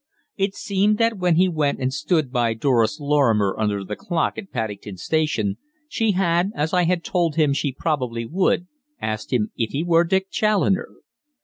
It seemed that when he went and stood by Doris Lorrimer under the clock at Paddington station, she had, as I had told him she probably would, asked him if he were Dick Challoner.